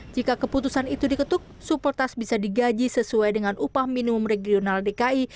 jika keputusan itu diketuk supertas bisa digaji sesuai dengan upah minimum regional dki